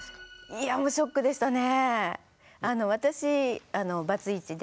いやもうショックでしたね。